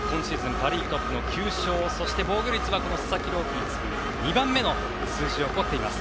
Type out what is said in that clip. パ・リーグトップの９勝そして防御率は佐々木朗希に次ぐ２番目の数字を誇っています。